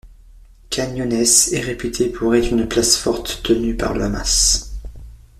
Khan Younès est réputé pour être une place forte tenue par le Hamas.